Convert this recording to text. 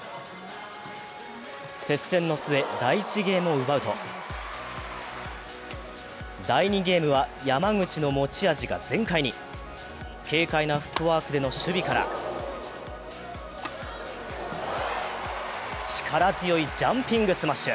接戦の末、第１ゲームを奪うと、第２ゲームは山口の持ち味が全開に軽快なフットワークでの守備から、力強いジャンピングスマッシュ。